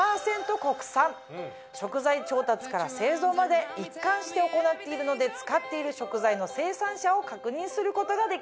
食材調達から製造まで一貫して行っているので使っている食材の生産者を確認することができます。